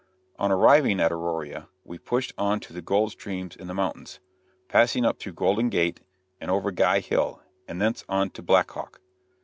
On arriving at Auraria we pushed on to the gold streams in the mountains, passing up through Golden Gate, and over Guy Hill, and thence on to Black Hawk.